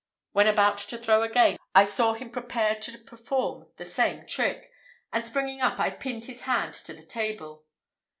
When about to throw again, I saw him prepare to perform the same trick, and springing up, I pinned his hand to the table.